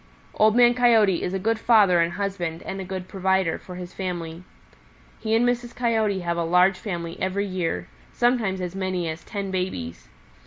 "Old Man Coyote is a good father and husband and a good provider for his family. He and Mrs. Coyote have a large family every year, sometimes as many as ten babies.